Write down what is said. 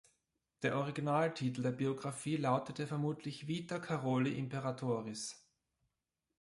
Der Originaltitel der Biographie lautete vermutlich "Vita Karoli imperatoris".